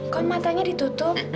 kok matanya ditutup